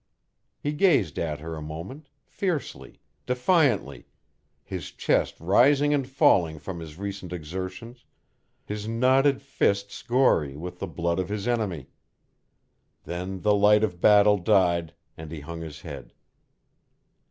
He gazed at her a moment, fiercely, defiantly, his chest rising and falling from his recent exertions, his knotted fists gory with the blood of his enemy. Then the light of battle died, and he hung his head.